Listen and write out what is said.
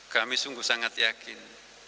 kami sungguh sangat yakin